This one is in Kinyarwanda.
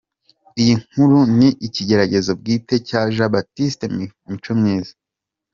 Iyi Inkuru ni igitekerezo bwite cya Jean Baptiste Micomyiza.